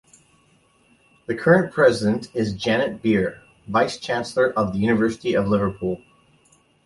The current president is Janet Beer, vice-chancellor of the University of Liverpool.